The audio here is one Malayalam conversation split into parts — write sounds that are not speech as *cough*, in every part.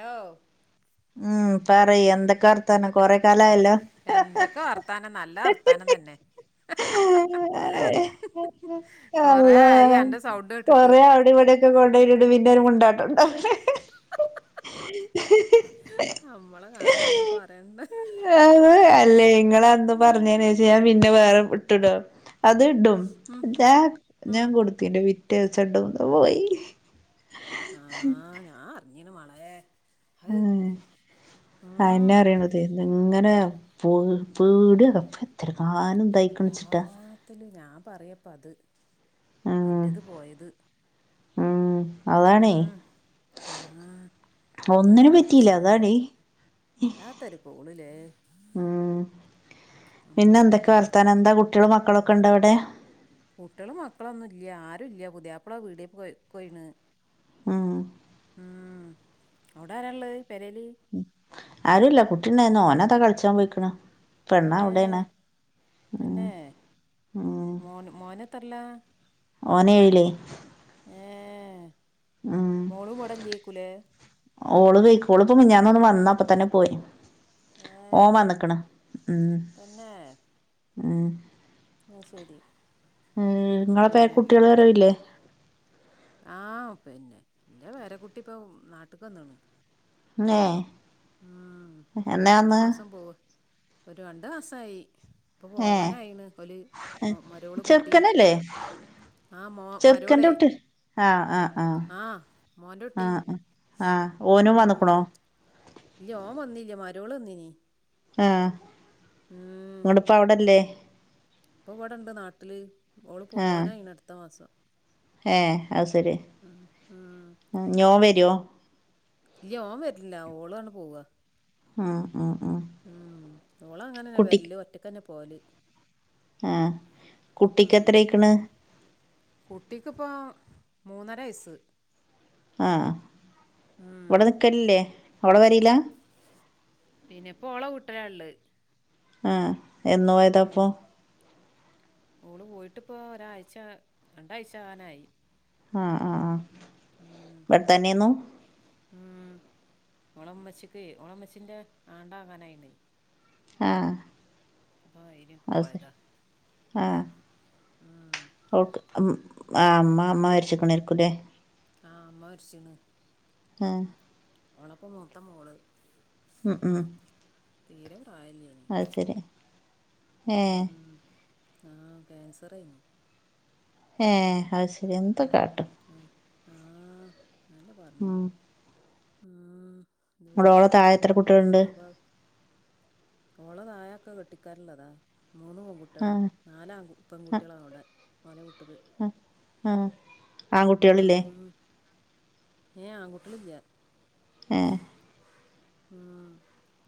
ലോ ഉം പറയ് എന്തക് എന്തൊക്കെ എന്തൊക്കെ വർത്താനം നല്ല വർത്താനം തന്നെ കൊറേ അള്ളാ ആയി അന്റെ സൗണ്ട് കേട്ടിട്ട് കൊറേ അവടി ഇവിടെയൊക്കെ കൊട് ണ്ടായിട്ടിട്ട് പിന്നൊരു മുണ്ടാട്ടൊണ്ട *unintelligible* നമ്മളെ കാര്യോന്നും പറയണ് അല്ലേയ് ഇങ്ങളന്ന് പറഞ്ഞേയ്ന് ശേഷം ഞാൻ പിന്നെ വേറെ വിട്ട്ടോ അത് ഇടും ഉം, ഞ ഉം. ഞാൻ കൊടുത്തയ്ൻ്റെ പി റ്റയ്ച്ചണ്ടോണ്ട് പോയി *unintelligible* മളേ ഉം ഉം, അയന്നെ അറിയണതേ നിങ്ങനെ അ- പു പേട്യാവ ഇപ്പ എത്ര കാലം ഇതായ്ക്ക് ണ്ച്ചിട്ടാ എല്ലാത്തിലും ഞാൻ പറയപ്പ അത് ഉം അൻറേത് പോയത് ഉം അതാണേ ഉം, ആ ഒന്നിനും എന്താപ്പ പറ്റിയില്ല ചെയ്യുന്നത് അതാടി അല്ലാത്തൊരു കോളിലേ ഉം പിന്നെ നമ്മളതൊക്കെ എന്തൊക്കെ ഇപ്പം അങ്ങനെ വർത്താനം എന്താ കുട്ടികളും മക്കളൊക്കെ ഉണ്ടോ അവിടെ കുട്ടികളും മക്കളൊന്നും ഇല്ല്യ ആരും ഇല്ല്യ പുതിയാപ്പള പീട്യേക്ക് പൊയ് കൊയ്ണ് ഉം ഉം അവിടെ ആര ഇള്ളത് ആരുല്ല കുട്ടിണ്ടായിന്ന് ഓനതാ കളിച്ചാൻ പോയിക്ക്ണ് ഏന് തന്നെ മോന് മോനത്രലാ ഓനേഴില് ഏ മോളും ഇവടെല്യേക്കുലേ ഓള് പെയ് ക്കോള് ഇപ്പ മിഞ്ഞാന്നൊന്ന് വന്ന അപ്പ തന്നെ പോയി ഏ ഓൻ വന്ന്ക്ക്ണ് ഉം തന്നെ ഉം അത് ശരി നിങ്ങളെ പേരകുട്ടികൾ വരവില്ലേ ആഹ് പിന്നെ ഇന്റെ പേരക്കുട്ടി ഇപ്പൊ നാട്ട്ക്ക് വന്ന് ക്ക്ണ് നേ ആ അടുത്ത മാസം പോവ് ഒരു രണ്ട് മാസയി ഇപ്പൊ ഏ പോവാനായിണ് ഓല് മരോള് കുട്ടി ചെറുക്കനല്ലേ ആ മോ മരോളെ ആഹ് ആഹ് ആ ആ മോൻ്റുട്ടി ആ ഓനും ഉം. വന്നക്കണോ ഇല്ല ഓൻ വന്നില്ലേ മരോള് വന്നിനി ആ ഉം. ഓൾ ഇപ്പ അവിടല്ലേ ഇപ്പൊ ഇവിടെണ്ട് നാട്ടില് ഓള് പോവാനായിന അടുത്ത മാസം ഏ അത് ശരി ഉം. ഉം. ഞോ വരുവോ ഇല്ല ഓൻ വരില്ല ഓളാണ് പോവ ആഹ് ആഹ് ആഹ് ഉം ഓള് അങ്ങനന്നെ വരല് ഒറ്റക്ക്ന്നെ പോല് ആ ഉം. കുട്ടിക്കെത്രേക്കണ് മൂന്നരയസ് ആ ഇവിടെ നിക്കലില്ലേ ഓൾ വരുല പിന്നെ ഇപ്പോ ഓള വിട്ടില ഉള്ള് ആ എന്നയതാപ്പൊ ഓള് പോയിട്ടിപ്പോ ഒരാഴ്ച രണ്ടാഴ്ച ആകാനായി ആ ആ ആ ഉം. ഇവിടത്തന്നെയന്നു ഉം ഓള മ്മച്ചിക്ക് ഓളമ്മച്ചിന്റെ ആണ്ട ആകാനായിന് ആ അയിലേക്ക് അത് പോയതാ ആ ഉം ഓക്കെ ഉം ആ അമ്മ അമ്മ മാരിച്ചിക്കണെരിക്കുല്ലേ ആഹ് അമ്മ ഒരുച്ചണ് ആ അവണപ്പ മൊത്തം മോള് ഉ ഉ തീരം റായാലിയനി ഏ ആ ക്യാൻസറ ആയിന് ഹ അത് ശരി എന്ത് കാട്ടും ആ ആല്ല പറഞ്ഞോ ആ മോളടെ ദൂറ് താഴെ എത്ര കുട്ടികളണ്ട് ഓള് താഴെയെക്കെ കെട്ടിക്കാനുള്ളതാ മൂന്ന് പെൺകുട്ടികളാ ആഹ് നാല് ആൺ പെൺകുട്ടികളാ അവിടെ ഓല ഉം ആ ആൺകുട്ടികളില്ലേ ഉം ഏ ആൺകുട്ടികളില്ല ഏഹ് അ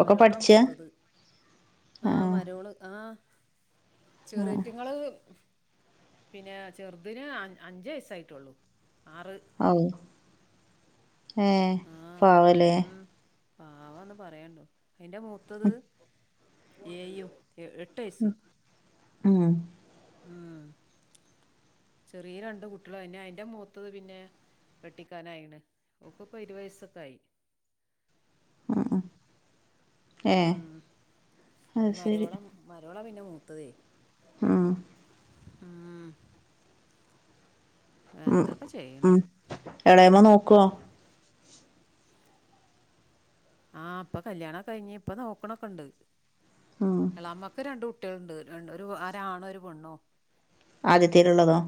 ഒക്കെ മരുമോള പഠിച്ചാ മൂത്തത് ആ ആഹ് മരുമോള് ആ ആഹ് ചെറിയറ്റങ്ങള് പിന്നെ ചെറുതിന് അൻ അഞ്ച് വയസായിട്ടുള്ളു ഔ ഏ പാവലേ പവാന്ന് പറയണ്ടോ അയിന്റെ മൂത്തത് ഏയും എ എട്ട് വയസ്സ് ആണോ ഉം ചെറിയ രണ്ട് കുട്ടികള് അയിൻ്റെ അയിന്റെ മുത്തത് പിന്നെ കെട്ടിക്കനായിണ് ഓക്ക് ഇപ്പൊ ഇരുപത് വയസൊക്കെ ആയി മുമ്മ് ഉം അത് പിന്ന മരുമോള മരുമോള പിന്നെ മൂത്തതേ മു ഉം അ എന്താപ്പ ചെയ്യണ ആ എളേമ്മ നോക്ക്വോ ആ ഇപ്പ കല്യാണം കഴിഞ്ഞ് ഇപ്പം നോക്ക്ണൊക്കെണ്ട് ഉം എളാമ്മാക്ക് രണ്ട് കു ട്ട്യ ള്ണ്ട് രൺ ഒര് ഒരാണും ഒര്പെണ്ണും ആദ്യത്തേല്ള്ളതോ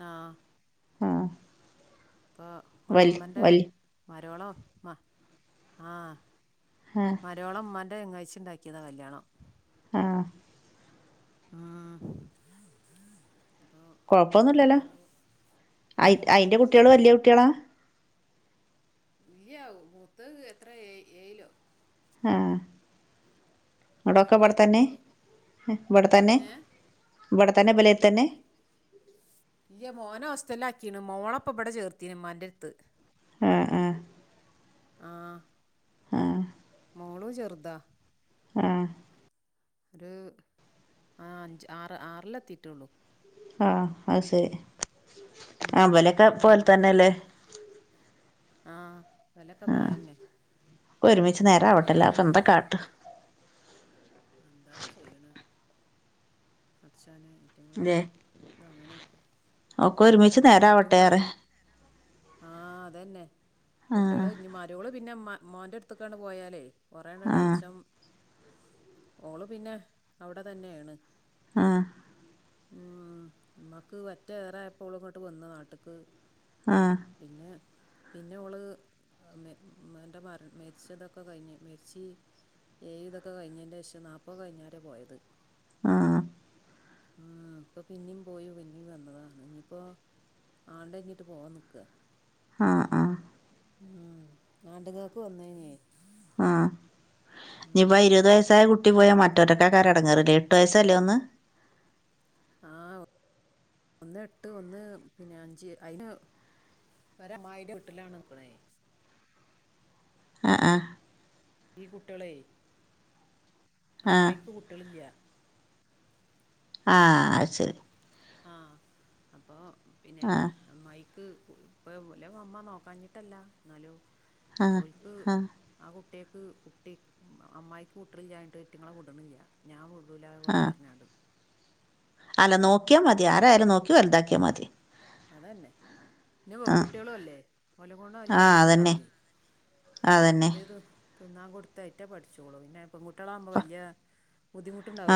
ആ ആ ഇപ്പൊ ഓളമ്മൻ്റെ മരോള മ്മ ആ ആഹ് മരോളമ്മാൻ്റെ ചെങ്ങായ്‌ച്ചി ഇണ്ടാക്ക്യതാ കല്യാണം ആ ആ കൊഴപ്പൊന്നു ല്ലല്ലോ അയി അയിൻ്റെ കുട്ട്യള് കുഴപ്പമൊന്നുമില്ല വെല്ല്യെ കുട്ട്യേളാ ഇല്യാ മൂത്തഅ് എത്ര ഏ ഏയിലോ ആ ഇങ്ങെട്ടൊക്കെ വടെതെന്നെ എട്ടിലെത്തിയിട്ടുള്ളൂ ഇവടെതെന്നെ ഏ ഇവടെ തെന്നെ ബെലെ തന്നെ ഇല്യാ മോനെ ഓസ്റ്റല്ലാക്കിണ് മോളപ്പം ബടെ ചേർത്തിണ് ഇമ്മാൻ്റെട്ത്ത് അ ആ ആ ആ മോളു ചെർതാ ആ ഒരു ആ അഞ്ച് ആറ് ആറിലെത്തി ട്ടൊള്ളു ആ അഅ് ശെരി അ ഉം, മ്പലെക്കെ പ്പോൽ ഉം. ത്തന്നല്ലേ ആ വിലൊക്കെ ആ പ്രായം തന്നെ ഒരുമിച്ച് നേരാവട്ടെ ഉം. അല്ലാപ്പൊന്താ കാട്ടാ പട്ച്ചോനെ ഇറ്റങ്ങളഅ് ല്ലേ തങ്ങനെക്കും ഒക്കെ ഒരുമിച്ച് തരാവട്ടെ റ്യ ആ അതന്നെ ആ കുട്ട്യള് ഞ് മരോള് പിന്നെ മ മൊൻ്റെട്ത്ത്ക്കണ്ട് പോയാലേ കുറെ ണ്ട് ആ ടെൻഷൻ ഓള് പിന്നെ അവടെ തന്നെണ് ആ ഉം ഇമ്മാക്ക് പറ്റേ റായപ്പോള്ങ്ങോട്ട് വന്ന് നാട്ട്ക്ക് ആ പിന്നെ പിന്നെ ഓള് മ്മെ മ്മാൻ്റെ മര് മരിച്ചതൊക്കെകഴിഞ് മെരിച്ച് ഏയ്തൊക്കെ കഴിഞ്ഞേന്റേഷം നാപ്പഅ് കഴിഞ്ഞാരെ പോയത് ആ ഉം പ്പൊ പിന്നിം പോയി പിന്നിം വന്നതാണ് ഞ്പ്പോ ആണ്ടൈഞ്ഞിട്ട് പോവാൻ നിക്ക ആ ആ ഉം ആണ്ട്ങ്ങക്ക് വന്നയ് നി ആ ഞ്പ്പ ഇരുപത് വയസ്സായ കുട്ടി പോയാ മ റ്റ് റ്റേക്കാക്കാരെടങ്ങറ്ല്ലേ എട്ടുവയസ്സല്ലേ ഒന്ന് ആ ഒന്നെട്ട് ഒന്ന് പിന്നെ അഞ്ച് അയ്ന് വരമ്മായിൻ്റെ വീട്ടിലാണ്ന്ക്ക്ണൈ അ ആ ഈ കുട്ട്യളൈ ആ അമ്മായിക്ക് കുട്ടൃളില്ലൃ ആ അഅ് ശെരി ആ അപ്പോ പിന്നെ ആ അമ്മായി ക് ഇപ്പ ഓലമമ്മ നോക്കാഞ്ഞിട്ടല്ല ന്നാലും ആ ഓൽക്ക് ആ ആ കു ട്ടൃക്ക് കുട്ടി അമ്മായിക്ക് കൂട്ടൃളിലൃഞിട്ട് റ്റെങ്ങളെ വിട്ണ്ല്ല ഞാൻ വിടൂലാ ആ ഓലെറഞ്ഞാണ്ട് അല്ല നോക്കിയാ മതി ആരായാലും നോക്കി വലുതാക്കിയാ മതി. അതന്നെ. പിന്നെ ആ പെൺകുട്ട്യോളും അല്ലേ ഓലെ കൊണ്ട് വലൃ ആ അതന്നെ അലമ്പുണ്ടാവുലേ അതന്നെ എന്തേയ്തു തിന്നാകൊടുത്തായ്റ്റ പഠിച്ചോളും പിന്നെ പെൺകുട്ട്യളാവുമ്പോ വല്ല്യ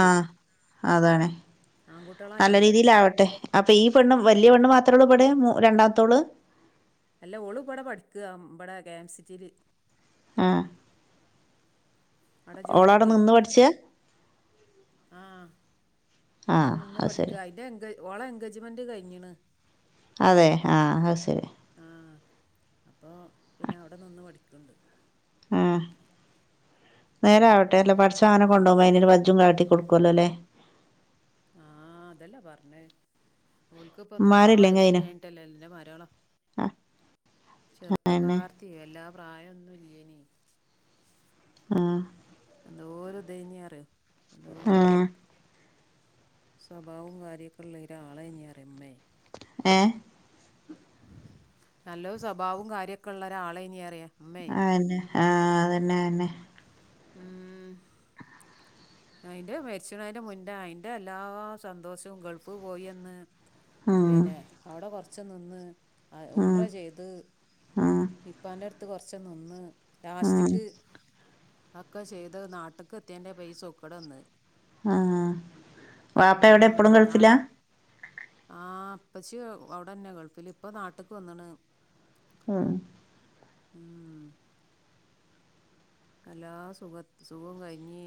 ആ അതാണ് നല്ല രീതിലാവട്ടെ അപ്പൊ ഈ പെണ്ണും വലിയ പെണ്ണ് മാത്രേള്ളൂ ഇബടെ മൂ രണ്ടാമത്തോള് അല്ല ഓള് ഇബടെ പഠിക്കാ ഇബടെ കെ എം സിറ്റീല്. ആ അവിടെ ഓളവിടെ ജോലിക്കേ നിന്ന് പഠിച്ചാ ആ ആ ആടെ നിന്ന് അത് പഠിക്ക ശരി അയിന്റെ എങ്കേ ഓളെ എൻഗേജ്മെന്റ് കയിഞ്ഞീണ്. അതെ ആ അത് ശരി. അപ്പോ പിന്നെ അവിടെ നിന്ന് പഠിക്ക്ണ്ട്. ആ നേരാവട്ടെ പിന്നെ എല്ലാ പഠിച്ചങ്ങനെ കൊണ്ടുപോമ്പോ *unintelligible* ചോം കാട്ടി കൊടുക്കോലലേ? ആ അതല്ലേ പറഞ്ഞേയ്. ഓൽക്ക്പ്പൊ നിക്കാ ഉമ്മാരില്ലെങ്കിൽ അതിന് വയസ്സുല്ലായിട്ടല്ല ലന്റെ മരോള ആ അതന്നെ ചെറുപ്പകാർത്തി എല്ലാം ആ എന്തോരു ഇതന്യാറിയോ? ആ സ്വഭാവും കാര്യക്കെള്ളരാളൈനിറിമ്മേ. ഏഹ് നല്ലൊരു സ്വഭാവും കാര്യക്കെള്ളൊരാളന്യാറിയാ. ആയന്നെ ആ തന്നെ തന്നെ. ഉം അയിന്റെ മരിച്ചണേന്റെ മുന്നേ അയിന്റെല്ലാ സന്തോഷോം ഗൾഫ് പോയന്ന് ഉം പിന്നെ അവിടെ കൊറച്ച് നിന്ന് ആ ഉം ഉമ്റ ചെയ്ത് ഉം ഇപ്പാൻ്റടത്ത് കൊറച്ച് നിന്ന് ഉം ലാസ്റ്റ്ക്ക് ഒക്കെ ചെയ്ത് നാട്ട്ക്കെത്തിയ്ന്റെ ബൈ സൂക്കേടന്ന്. ആ വാപ്പ എവിടെ ഇപ്പഴും ഗൾഫിലാ? ആ ഉപ്പച്ചി അവിടെ തന്നെ ഗൾഫിൽ ഇപ്പ നാട്ടിക്ക് വന്നണ്. ഉം ഉം എല്ലാ സുഖ സുഖം കഴിഞ്ഞി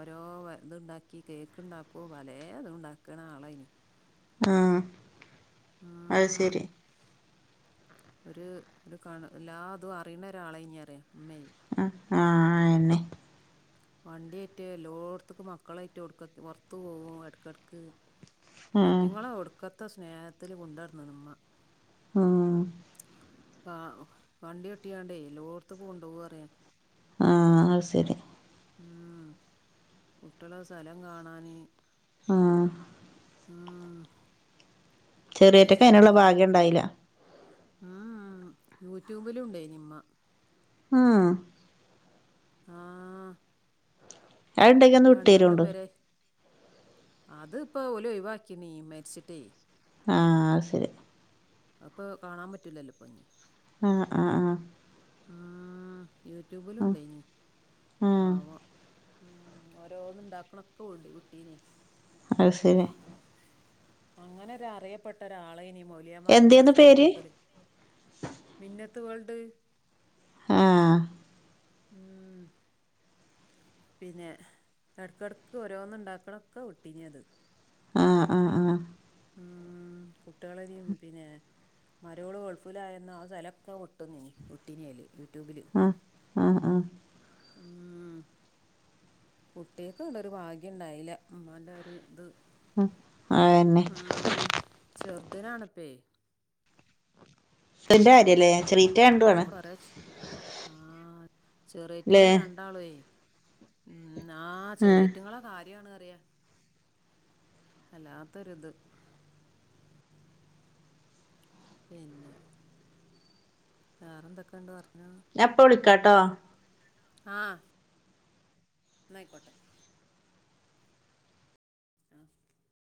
ഓരോ ഇതുണ്ടാക്കി കേക്ക് ഉണ്ടാക്കും. പല അത് ഉണ്ടാക്കണ ആളാ ഇനി. ആ അത് ഉം ശരി. ഒരു ഒരു കാണ എല്ലാ അതും അറിയുന്ന ഒരാളെ ഇനി അറിയാം. ആ ആ ആയന്നെ. വണ്ടിയായിട്ട് എല്ലോടത്തക്കും മക്കളായിട്ട് പുറത്തു പോകും ഇടക്കിടക്ക്. ഉം അയിറ്റുങ്ങളെ ഒടുക്കത്തെ സ്നേഹത്തില് കൊണ്ടുവരണം നമ്മ. ആ ആ വണ്ടി ഒട്ടിയാണ്ടേ എല്ലോടത്തുക്കും കൊണ്ടു പോവാറിയ. ആ അത് ശരി. ഉം കുട്ടികളെ സ്ഥലം കാണാന്. ആ ആ ചെറിയറ്റൊക്കെ അതിനുള്ള ഭാഗം ഉണ്ടായില്ല. ഉം യൂട്യൂബിലും ഉണ്ടേ നിമ്മ. ആണോ ആ ണ്ടാകിൽ ഒന്ന് വിട്ടുതരോണ്ട് അത്പ്പോ ഓല് ഒഴിവാക്കിണീ മരിച്ചിട്ടേ ആ അത്ശരി അപ്പൊ കാണാൻ പറ്റില്ലല്ലോ പൊന്നി ആ ആ ആ ആ യൂട്യൂബിലും ഉണ്ട് ഇനി ആഹ് ആഹ് താവാ ഉം ഓരോന്ന ഉണ്ടാക്കണൊക്കെ കുട്ടീന് അത് ശരി അങ്ങനെ ഒ ഒരു അറിയപ്പെട്ട ഒരാളെ ഇനി മൗലിയമാർക്ക് എന്തേന്നു ഭക്ഷണം പേര് കൊടുക്കല് മിന്നത്ത്കേൾഡ ആ മ്മ *inaudible* പിന്നെ ഇടക്കിടക്ക് ഓരോന്ന് ഉണ്ടാക്കണൊക്കെ ഒട്ടിഞ്ഞത് ആ ആ ആ കുട്ടികളും പിന്നെ മരുമോള് ഗൾഫിലായുന്ന ആ ചലക്കെ ഒട്ടുന്ന ഉട്ടിനിയല് *unintelligible* ആ ആ ആ ഉ കുട്ടിയക്കെ ഇവിടെരു ഭാഗ്യ ഉണ്ടായില്ല അമ്മാന്റെ ഒരു ഇത് ആ തന്നെ ചെറുതനാണപ്പേ എന്റെ കാര്യല്ലേ ചെറിയേറ്റ രണ്ടും ആണ് അങ്ങോട ഒ ആ ല്ലേ ചെറിയതങ്ങള് രണ്ടാളുവേ ഉ ആ ആഹ് ചെറിയറ്റങ്ങളെ കാര്യമാണ് വല്ലാത്തൊരിത് പിന്നെ വേറെന്തൊക്കെയുണ്ട് വർത്തമാന ഞാൻ ഇപ്പ വിളിക്കാട്ടോ ആ ആയിക്കോട്ടെ ആ *inaudible*